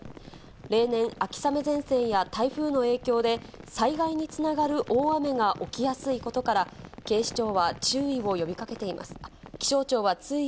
例年、秋雨前線や台風の影響で、災害につながる大雨が起きやすいことから、気象庁は注意を呼びかけています。